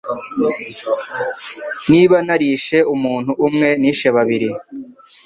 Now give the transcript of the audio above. Niba narishe umuntu umwe, nishe babiri -